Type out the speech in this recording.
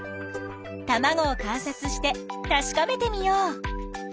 たまごを観察してたしかめてみよう。